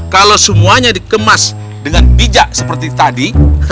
kalau semuanya dikemas dengan bijak seperti tadi